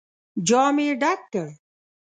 جام يې ډک کړ.